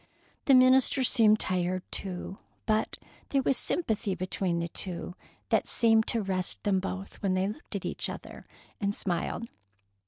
The minister seemed tired, too, but there was sympathy between the two that seemed to rest them both when they looked at each other and smiled.